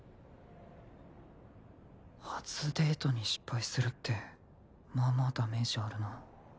初デートに失敗するってまあまあダメージあるな